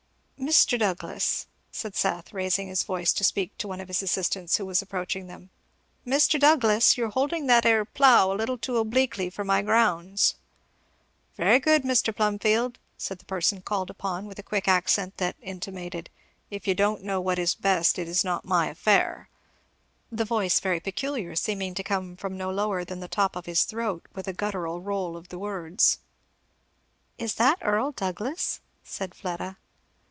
"Mr. Douglass!" said Seth, raising his voice to speak to one of his assistants who was approaching them, "Mr. Douglass! you're holding that 'ere plough a little too obleekly for my grounds." "Very good, Mr. Plumfield!" said the person called upon, with a quick accent that intimated, "If you don't know what is best it is not my affair!" the voice very peculiar, seeming to come from no lower than the top of his throat, with a guttural roll of the words. "Is that Earl Douglass?" said Fleda.